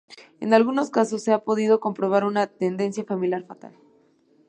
En algunos casos se ha podido comprobar una tendencia familiar fatal.